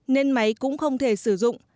nên máy cũng không thể sử dụng